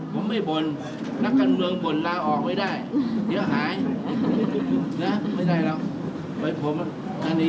ผมไม่บนนักกันเมืองบนลาออกไว้ได้เดี๋ยวหายไม่ได้แล้ว